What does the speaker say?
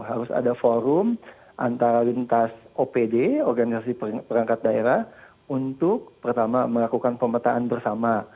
harus ada forum antara lintas opd organisasi perangkat daerah untuk pertama melakukan pemetaan bersama